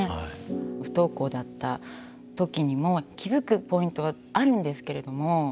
不登校だった時にも気付くポイントはあるんですけれども。